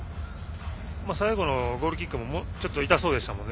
最後のゴールキックも痛そうでしたもんね。